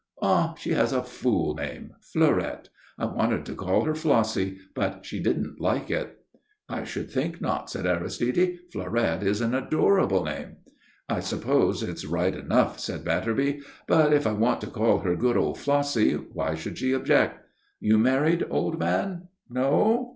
"Oh, she has a fool name Fleurette. I wanted to call her Flossie, but she didn't like it." "I should think not," said Aristide. "Fleurette is an adorable name." "I suppose it's right enough," said Batterby. "But if I want to call her good old Flossie, why should she object? You married, old man? No?